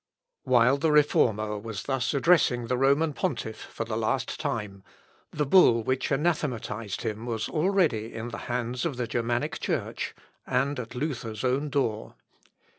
] While the Reformer was thus addressing the Roman pontiff for the last time, the bull which anathematised him was already in the hands of the Germanic Church, and at Luther's own door.